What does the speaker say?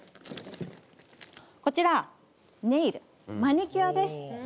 こちらネイルマニキュアです。